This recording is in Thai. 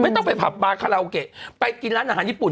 ต้องไปผับบาคาราโอเกะไปกินร้านอาหารญี่ปุ่น